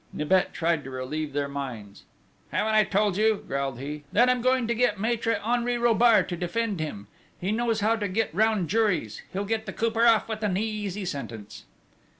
Nibet tried to relieve their minds: "Haven't I told you," growled he, "that I'm going to get Maître Henri Robart to defend him? He knows how to get round juries: he'll get the Cooper off with an easy sentence."